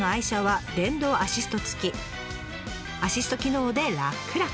アシスト機能で楽々！